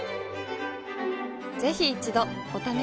ぜひ一度お試しを。